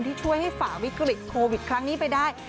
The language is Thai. ที่ช่วยให้ฝ่าวิกฤตโควิดครั้งนี้ไปได้